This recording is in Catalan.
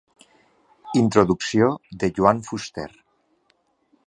Introducció de Joan Fuster.